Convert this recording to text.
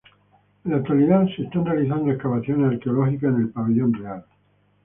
En la actualidad se están realizando excavaciones arqueológicas en el Pabellón Real.